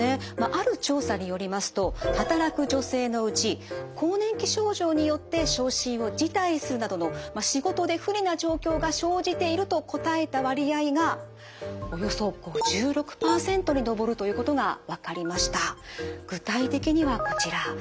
ある調査によりますと働く女性のうち更年期症状によって昇進を辞退するなどの仕事で不利な状況が生じていると答えた割合がおよそ５６％に上るということが分かりました。